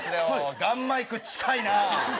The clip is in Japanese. ガンマイク近いな。